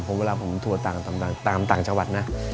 เพราะเวลาผมทัวร์ต่างตามต่างจังหวัดนะ